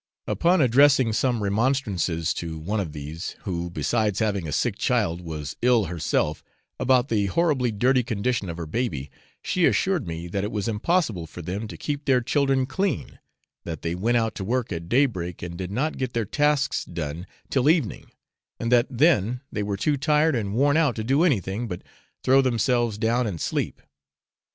Upon addressing some remonstrances to one of these, who, besides having a sick child, was ill herself, about the horribly dirty condition of her baby, she assured me that it was impossible for them to keep their children clean, that they went out to work at daybreak, and did not get their tasks done till evening, and that then they were too tired and worn out to do anything but throw themselves down and sleep.